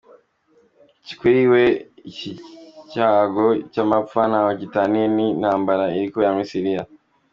Kuri we, iki cyago cy’amapfa ntaho gitaniye n’intambara iri kubera muri Siriya.